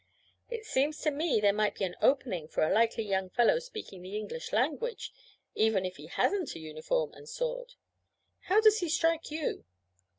It seems to me there might be an opening for a likely young fellow speaking the English language, even if he hasn't a uniform and sword. How does he strike you?'